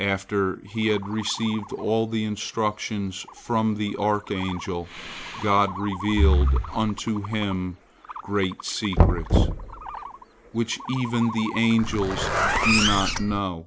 After he had received all the instructions from the archangel, God revealed unto him great secrets, which even the angels do not know.